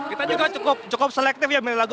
kita juga cukup selektif ya lagu